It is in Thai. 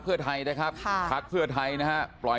โปสเตอร์โหมโตรงของทางพักเพื่อไทยก่อนนะครับ